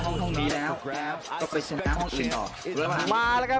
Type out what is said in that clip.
มาแล้วครับ